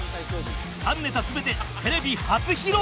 ３ネタ全てテレビ初披露